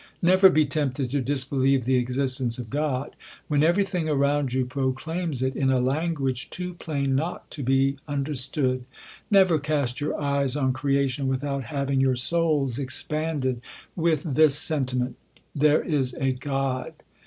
^..^ Never be tempted to disbelieve the existence ol G when every thing around you proclaims it m a languag too plain not to be understood. Never cast your eye on creation without having your souls expanded wit, this sentiment, " There is a God."